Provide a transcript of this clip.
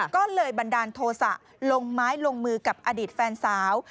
ก็เลยบันดาลโทษะลงไม้ลงมือกับอดีตแฟนสาว